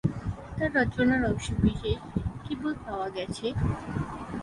তার রচনার অংশবিশেষ কেবল পাওয়া গেছে।